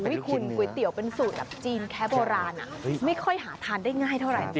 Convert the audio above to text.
คุณก๋วยเตี๋ยวเป็นสูตรแบบจีนแคโบราณไม่ค่อยหาทานได้ง่ายเท่าไหร่